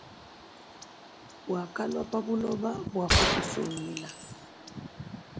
Wakalwa pabuloba bu kutusungila.